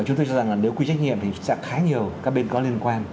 chúng tôi cho rằng là nếu quy trách nhiệm thì sẽ khá nhiều các bên có liên quan